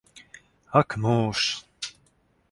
Ak mūžs!